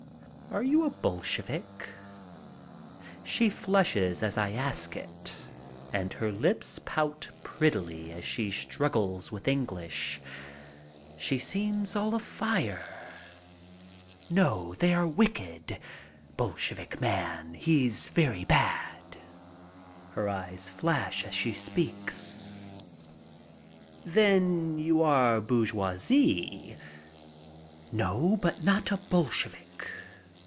"Are you a Bolshevik?" She flushes as I ask it, and her lips pout prettily as she struggles with English. She seems all afire. MY FAVORITE CLOSE UP I FLY FROM PARIS TO LONDON 127 "No, they are wicked. Bolshevik man, he's very bad." Her eyes flash as she speaks. "Then you are bourgeoisie?" "No, but not a Bolshevik."